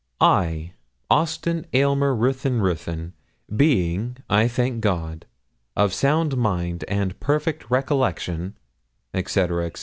'I, Austin Alymer Ruthyn Ruthyn, being, I thank God, of sound mind and perfect recollection,' &c, &c.